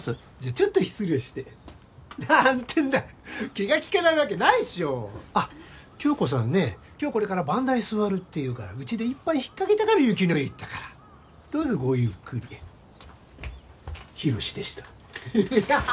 ちょっと失礼してなーんってんだ気が利かないわけないっしょ響子さんね今日これから番台座るっていうからうちで一杯ひっかけてから雪乃湯行ったからどうぞごゆっくり博でしたはははは